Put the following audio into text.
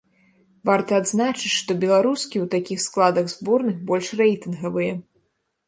Варта адзначыць, што беларускі ў такіх складах зборных больш рэйтынгавыя.